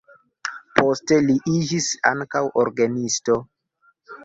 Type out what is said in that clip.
Poste li iĝis ankaŭ orgenisto.